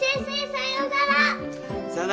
さようなら。